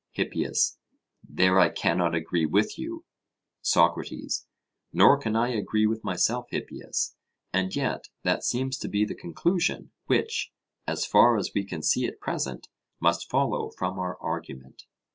HIPPIAS: There I cannot agree with you. SOCRATES: Nor can I agree with myself, Hippias; and yet that seems to be the conclusion which, as far as we can see at present, must follow from our argument.